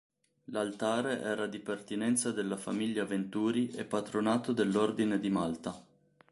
L'altare era di pertinenza della famiglia Venturi e patronato dell'Ordine di Malta.